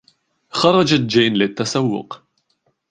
خرجت جين للتسوق.